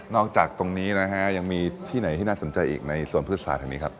จากตรงนี้นะฮะยังมีที่ไหนที่น่าสนใจอีกในสวนพฤษศาสตร์แห่งนี้ครับ